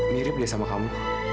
mirip deh sama kamu